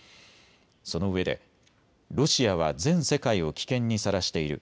そのうえでロシアは全世界を危険にさらしている。